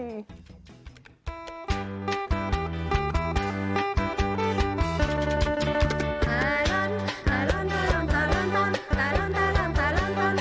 ตาลอนตาลอนตาลอนตออน